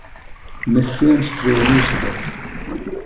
Methiant truenus ydoedd.